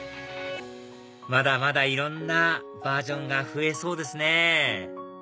まだまだいろんなバージョンが増えそうですね！